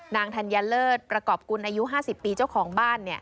ธัญเลิศประกอบกุลอายุ๕๐ปีเจ้าของบ้าน